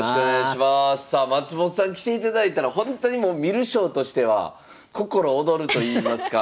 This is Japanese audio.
さあ松本さん来ていただいたらほんとにもう観る将としては心躍るといいますか。